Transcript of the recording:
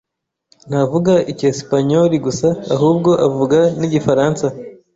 Ntavuga Icyesipanyoli gusa, ahubwo avuga n'Igifaransa.